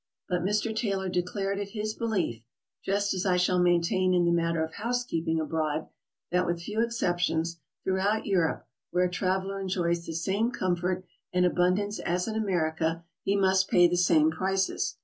But Mr. Taylor declared it his belief, just as I shall maintain in the matter of housekeeping abroad, that with few exceptions, throughout Europe, where a traveler enjoys the same comfort and abundance as in America, he must pay the same prices.